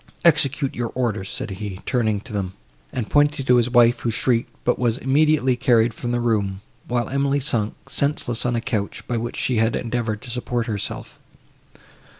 "Execute your orders," said he, turning to them, and pointing to his wife, who shrieked, but was immediately carried from the room; while Emily sunk, senseless, on a couch, by which she had endeavoured to support herself.